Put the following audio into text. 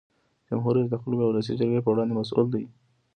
جمهور رئیس د خلکو او ولسي جرګې په وړاندې مسؤل دی.